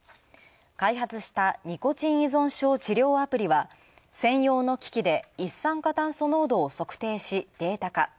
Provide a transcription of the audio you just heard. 開発した、ニコチン依存症治療アプリは専用の機器で一酸化炭素濃度を測定し、データ化。